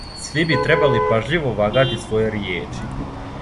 Сви би требали пажљиво вагати своје ријечи.